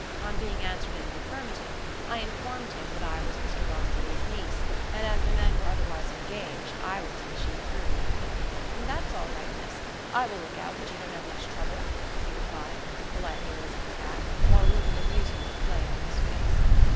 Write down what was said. On being answered in the affirmative, I informed him that I was Mr Bossier's niece, and, as the men were otherwise engaged, I would see the sheep through. "That's all right, miss. I will look out that you don't have much trouble," he replied, politely raising his hat, while a look of amusement played on his face.